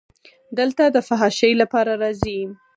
دلته د فحاشۍ لپاره راځي.